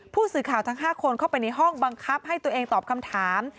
ผู้สื่อข่าวทั้ง๕คนเข้าไปในห้องบังคับให้ตัวเองตอบคำถาม